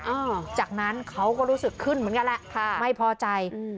อ่าจากนั้นเขาก็รู้สึกขึ้นเหมือนกันแหละค่ะไม่พอใจอืม